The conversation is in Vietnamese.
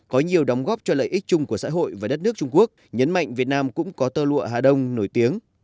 có nhiều đóng góp cho lợi ích chung của xã hội và đất nước trung quốc nhấn mạnh việt nam cũng có tơ lụa hà đông nổi tiếng